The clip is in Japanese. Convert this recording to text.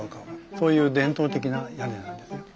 そういう伝統的な屋根なんですよ。